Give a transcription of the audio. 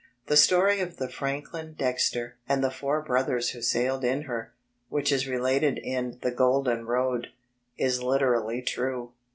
The story of the Franklin Dexter and the four brothers who sailed in her, which is related in The Golden Road, is literally true.